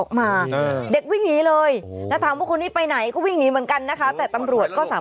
ออกมาเด็กพลินะเลยทำคนที่ไปไหนก็พิมพ์มี้เหมือนกันนะคะแต่ตำรวจก็